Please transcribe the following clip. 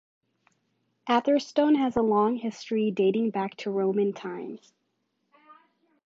Atherstone has a long history dating back to Roman times.